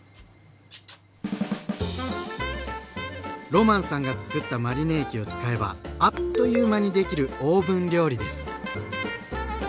ロマンさんがつくったマリネ液を使えばあっという間にできるオーブン料理です。